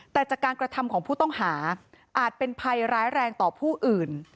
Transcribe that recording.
แต่จากการกระทำของผู้ต้องหาอาจเป็นภัยร้ายแรงต่อผู้อื่น